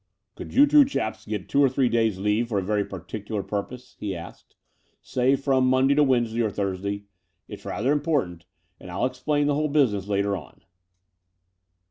Could you two chaps get two or three days' leave for a very particular purpose," he asked — "say from Monday to Wednesday or Thursday? Ittfi^rather important; and 111 explain the whole business later on."